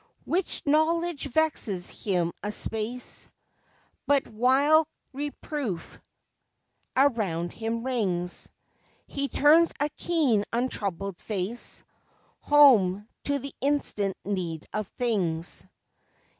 Which knowledge vexes him a space; But while reproof around him rings, He turns a keen untroubled face Home, to the instant need of things.